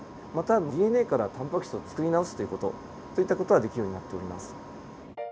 またＤＮＡからタンパク質をつくり直すという事といった事ができるようになっております。